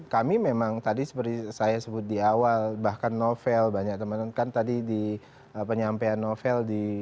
kami memang tadi seperti saya sebut di awal bahkan novel banyak teman teman kan tadi di penyampaian novel di